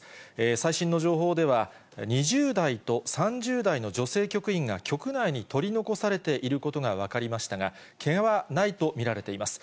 最新の情報では、２０代と３０代の女性局員が局内に取り残されていることが分かりましたが、けがはないと見られています。